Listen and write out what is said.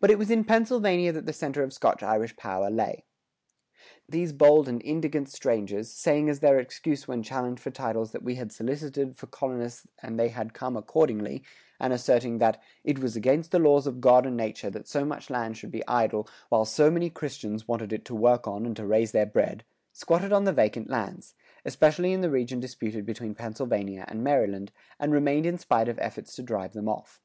But it was in Pennsylvania that the center of Scotch Irish power lay. "These bold and indigent strangers, saying as their excuse when challenged for titles that we had solicited for colonists and they had come accordingly,"[104:3] and asserting that "it was against the laws of God and nature that so much land should be idle while so many christians wanted it to work on and to raise their bread," squatted on the vacant lands, especially in the region disputed between Pennsylvania and Maryland, and remained in spite of efforts to drive them off.